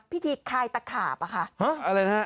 พิธีคลายตาขาบอ่ะคะ